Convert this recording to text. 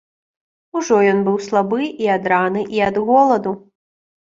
Ужо ён быў слабы і ад раны, і ад голаду.